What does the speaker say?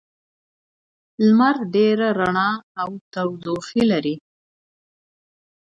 لمر ډېره رڼا او تودوخه لري.